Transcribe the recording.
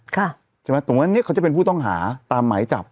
ใช่ไหมตรงนั้นเนี่ยเขาจะเป็นผู้ต้องหาตามหมายจับ